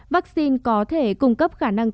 vaccine có thể cung cấp khả năng